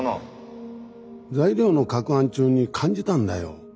材料の攪拌中に感じたんだよ。